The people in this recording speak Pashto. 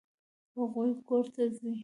هغوی کور ته ځي.